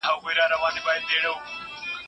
لوستې نجونې د کورنۍ مالي پرېکړو کې مرسته کوي.